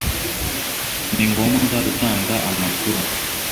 Ni ngombwa gutanga amakuru